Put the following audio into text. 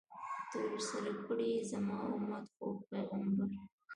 ترسره کړئ، زما امت ، خوږ پیغمبر